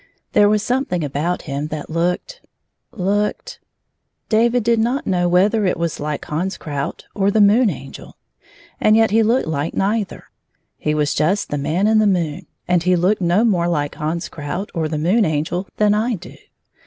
There was something about him that looked — looked — David did not know whether it was like Hans Klrout or the Moon Angel — and yet he looked like neither. He was just the Man in the moon, and he looked no more like Hans Kjout or the Moon Angel than I do.